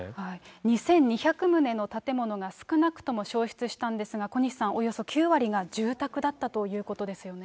２２００棟の建物が、少なくとも焼失したんですが、小西さん、およそ９割が住宅だったということですよね。